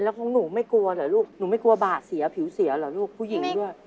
แล้วของหนูไม่กลัวเหรอลูกหนูไม่กลัวบาดเสียผิวเสียเหรอลูกผู้หญิงด้วย